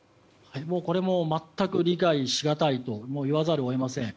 これも全く理解しがたいと言わざるを得ません。